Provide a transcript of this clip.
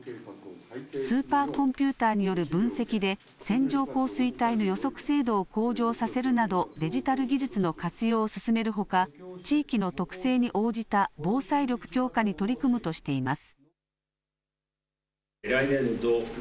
スーパーコンピューターによる分析で線状降水帯の予測精度を向上させるなどデジタル技術の活用を進めるほか地域の特性に応じた防災力強化に取り組むとしています。